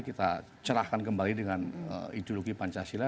kita cerahkan kembali dengan ideologi pancasila